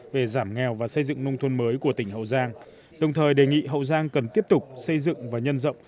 về giảm nghèo và xây dựng nông thôn mới của tỉnh hậu giang đồng thời đề nghị hậu giang cần tiếp tục xây dựng và nhân rộng